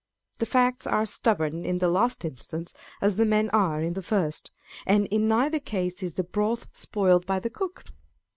The facts arc stubborn in the last instance as the men are in the first, and in neither case is the broth spoiled by the cook.